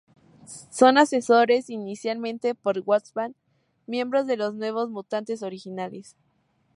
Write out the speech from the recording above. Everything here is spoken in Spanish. Son asesorados inicialmente por Wolfsbane, miembro de los Nuevos Mutantes originales.